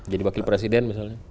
jadi wakil presiden misalnya